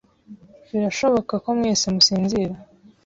Birashoboka ko mwese musinzira.